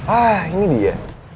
ah ini dia